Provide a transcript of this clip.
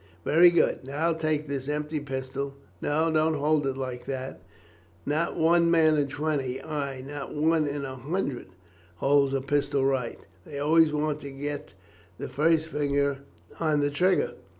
Very good! Now take this empty pistol no, don't hold it like that! Not one man in twenty, ay, not one in a hundred, holds a pistol right, they always want to get the first finger on the trigger.